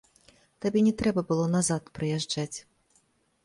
Табе не трэба было назад прыязджаць.